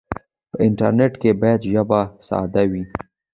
په انټرنیټ کې باید ژبه ساده وي.